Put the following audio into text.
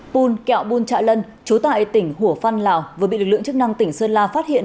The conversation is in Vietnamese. pun kẹo pun trại lân chú tại tỉnh hủa phan lào vừa bị lực lượng chức năng tỉnh sơn la phát hiện